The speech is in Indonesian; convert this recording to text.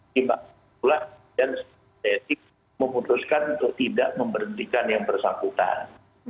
timbalan pula dan sidang kode etik memutuskan untuk tidak memberhentikan yang bersangkutan